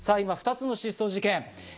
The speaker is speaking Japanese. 今２つの失踪事件